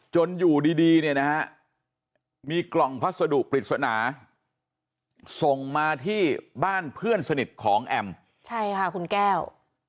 อยู่ดีเนี่ยนะฮะมีกล่องพัสดุปริศนาส่งมาที่บ้านเพื่อนสนิทของแอมใช่ค่ะคุณแก้ว